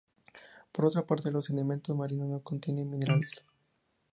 Por otra parte los sedimentos marinos no contienen minerales.